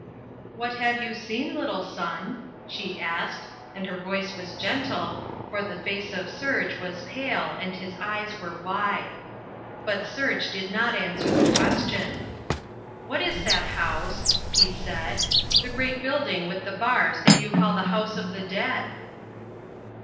"What have you seen, little son?" she asked, and her voice was gentle, for the face of Serge was pale and his eyes were wide. But Serge did not answer the question. "What is that house?" he said. "The great building with the bars that you call the house of the dead?"